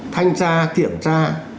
thanh tra kiểm tra